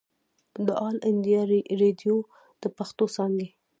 د آل انډيا ريډيو د پښتو څانګې